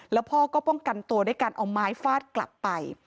แล้วพ่อก็ป้องกันตัวด้วยการเอาไม้ฟาดกลับไป